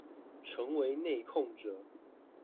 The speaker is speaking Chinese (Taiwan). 成為內控者